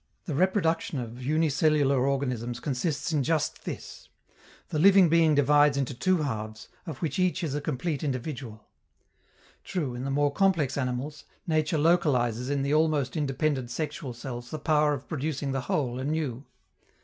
The reproduction of unicellular organisms consists in just this the living being divides into two halves, of which each is a complete individual. True, in the more complex animals, nature localizes in the almost independent sexual cells the power of producing the whole anew.